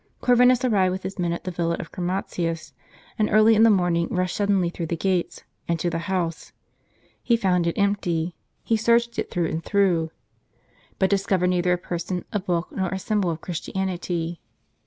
Corvinus arrived with his men at the villa of Chromatius ; and early in the morning rushed suddenly through the gates, and to the house. He found it empty. He searched it through and through, but discovered neither a person, a book, nor a symbol of Christianity.